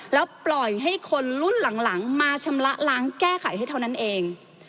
แล้วปล่อยให้คนรุ่นหลังมาชำระล้างแก้ไขให้เท่านั้นเอง